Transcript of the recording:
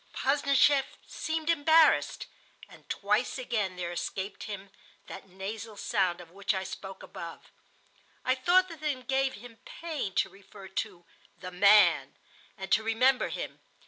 Posdnicheff seemed embarrassed, and twice again there escaped him that nasal sound of which I spoke above. I thought that it gave him pain to refer to the man, and to remember him.